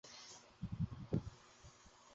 না, অনেকটা নিজের উপর জোর প্রয়োগ করেন?